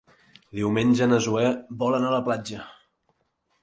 Diumenge na Zoè vol anar a la platja.